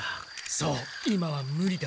そう今はムリだ。